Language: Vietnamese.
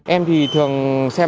em thì thường xem